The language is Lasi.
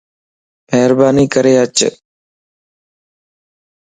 مھرباني ڪري اچ